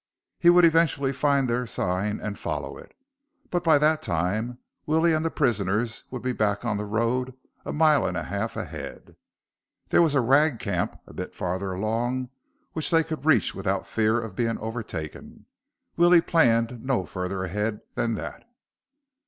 He would eventually find their sign and follow it. But by that time Willie and the prisoners would be back on the road a mile and a half ahead. There was a ragcamp a bit farther along which they could reach without fear of being overtaken. Willie planned no further ahead than that.